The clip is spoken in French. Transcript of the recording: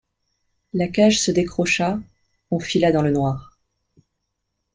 La cage se décrocha, on fila dans le noir.